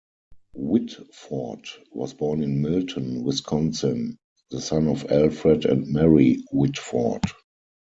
Whitford was born in Milton, Wisconsin, the son of Alfred and Mary Whitford.